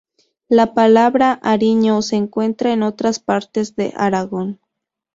La palabra ariño se encuentra en otras partes de Aragón.